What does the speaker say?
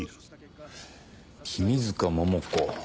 君塚桃子。